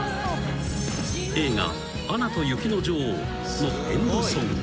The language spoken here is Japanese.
［映画『アナと雪の女王』のエンドソング］